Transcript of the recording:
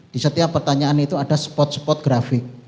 di setiap pertanyaan itu ada spot spot grafik